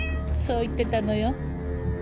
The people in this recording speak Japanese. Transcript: そう言ってたのよ。